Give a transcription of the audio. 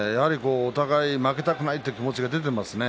お互い負けたくないという気持ちが出ていますね。